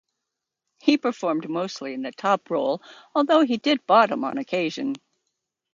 He performed mostly in the top role, although he did bottom on occasion.